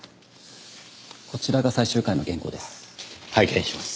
こちらが最終回の原稿です。